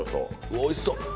おいしそう！